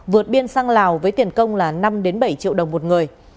vượt biên sang lào với tiền công là năm bảy triệu đồng một người